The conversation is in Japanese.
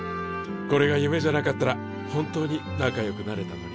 これが夢じゃなかったら本当に仲よくなれたのに。